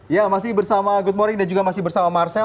ya masih bersama good morning dan juga masih bersama marcel